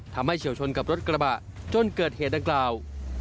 เฉียวชนกับรถกระบะจนเกิดเหตุดังกล่าว